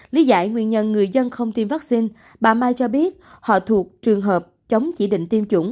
lý giải nguyên nhân người dân không tiêm vaccine bà mai cho biết họ thuộc trường hợp chống chỉ định tiêm chủng